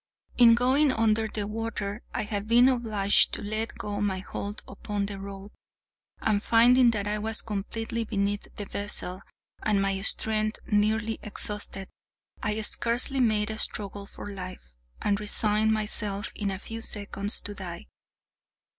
In going under the water I had been obliged to let go my hold upon the rope; and finding that I was completely beneath the vessel, and my strength nearly exhausted, I scarcely made a struggle for life, and resigned myself, in a few seconds, to die.